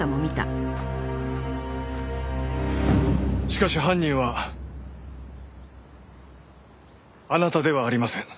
しかし犯人はあなたではありません。